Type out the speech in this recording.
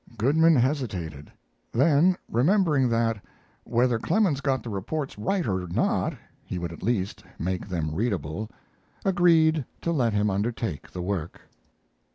Goodman hesitated; then, remembering that whether Clemens got the reports right or not, he would at least make them readable, agreed to let him undertake the work.